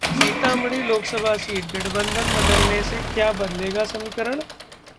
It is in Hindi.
सीतामढ़ी लोकसभा सीट: गठबंधन बदलने से क्या बदलेगा समीकरण?